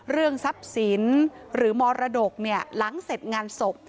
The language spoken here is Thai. เรื่องทรัพย์สินหรือมรดกหลังเสร็จงานศพ